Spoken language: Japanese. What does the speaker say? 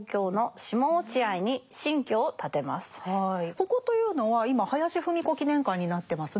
ここというのは今林芙美子記念館になってますね。